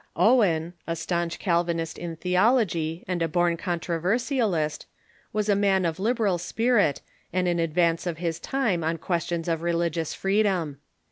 Owen, a stanch Calvinist in theology and a born controver sialist, Avas a man of liberal spirit, and in advance of his time on questions of religious freedom.